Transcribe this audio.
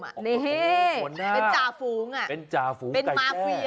เป็นจาฟูงเป็นมาเฟีย